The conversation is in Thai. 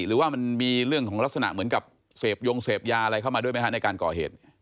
หรือว่ามันมีเรื่องของลักษณะเหมือนกับเสพยงเสพยาอะไรเข้ามาด้วยไหมฮะในการก่อเหตุ